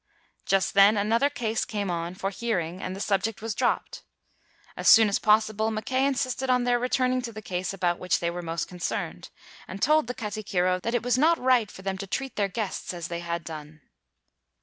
Just then another case came on for hear ing and the subject was dropped. As soon as possible, Mackay insisted on their return ing to the case about which they were most concerned, and told the katikiro that it was not right for them to treat their guests as they had done.